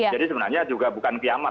jadi sebenarnya juga bukan kiamat